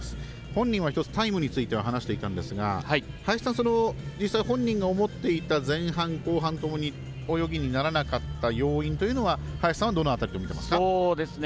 本人はタイムについては話していたんですが実際、本人が思っていた、前半、後半ともに泳ぎにならなかった要因というのは林さんは、どの辺りと見ていますか？